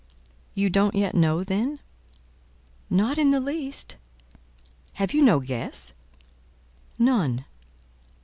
"You don't yet know, then?" "Not in the least." "Have you no guess?" "None."